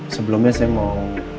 sebelumnya saya mau